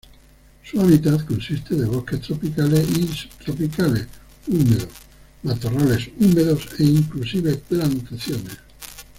Su hábitat consiste de bosques tropicales y subtropicales húmedos, matorrales húmedos e inclusive plantaciones.